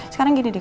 sekarang gini deh